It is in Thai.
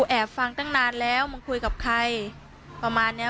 แอบฟังตั้งนานแล้วมึงคุยกับใครประมาณเนี้ย